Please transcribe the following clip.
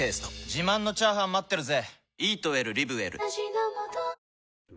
自慢のチャーハン待ってるぜ！